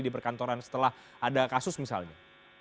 di perkantoran setelah ada kasus misalnya